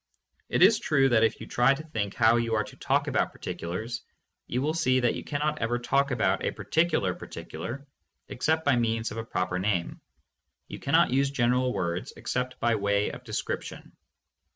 It is true that if you try to think how you are to talk about particulars, you will see that you cannot ever talk about a particular particular ex cept by means of a proper name. You cannot use general words except by way of description.